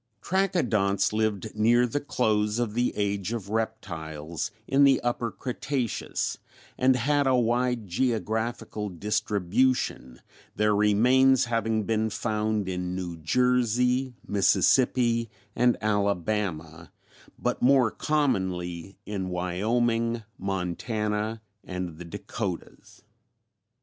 "Trachodonts lived near the close of the Age of Reptiles in the Upper Cretaceous and had a wide geographical distribution, their remains having been found in New Jersey, Mississippi and Alabama, but more commonly in Wyoming, Montana, and the Dakotas.